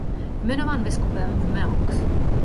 Jmenován biskupem v Meaux.